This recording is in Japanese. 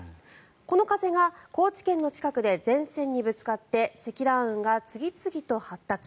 この風が高知県の近くで前線にぶつかって積乱雲が次々と発達。